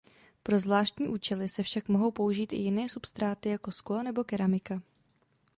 Pro zvláštní účely se však mohou použít i jiné substráty jako sklo nebo keramika.